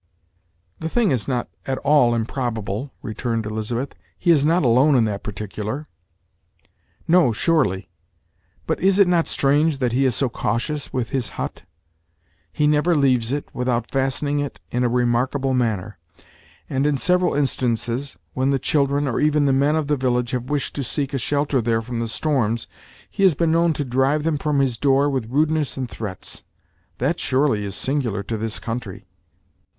"The thing is not at all improbable," returned Elizabeth; "he is not alone in that particular." "No, surely; but is it not strange that he is so cautious with his hut? He never leaves it, without fastening it in a remarkable manner; and in several instances, when the children, or even the men of the village, have wished to seek a shelter there from the storms, he has been known to drive them from his door with rudeness and threats. That surely is singular to this country!"